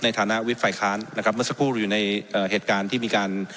ในฐานะวิทย์ฝ่ายค้านนะครับเมื่อสักครู่อยู่ในเอ่อเหตุการณ์ที่มีการ